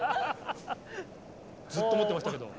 ずっと思ってましたけど。